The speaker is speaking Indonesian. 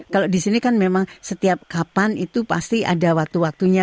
kalau di sini kan memang setiap kapan itu pasti ada waktu waktunya